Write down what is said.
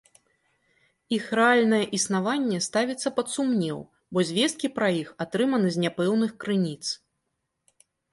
Іх рэальнае існаванне ставіцца пад сумнеў, бо звесткі пра іх атрыманы з няпэўных крыніц.